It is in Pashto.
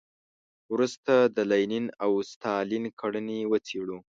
وروسته د لینین او ستالین کړنې وڅېړو.